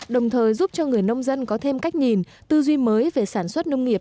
đồng thời giúp cho người nông dân có thêm cách nhìn tư duy mới về sản xuất nông nghiệp